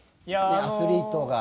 アスリートが。